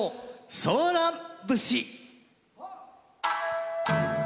「ソーラン節」。